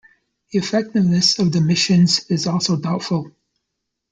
The effectiveness of the missions is also doubtful.